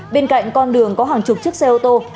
bên cạnh con đường có hàng chục chiếc xe ô tô